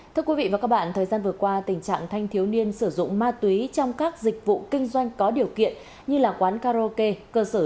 thưa quý vị và các bạn thời gian vừa qua tình trạng thanh thiếu niên sử dụng ma túy trong các dịch vụ kinh doanh có điều kiện như là quán karaoke cơ sở lưu trú đang có chiều hướng gia tăng